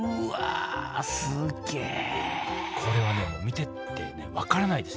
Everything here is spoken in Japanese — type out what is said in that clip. すげえこれはね見てて分からないです。